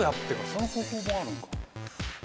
その方法もあるのか。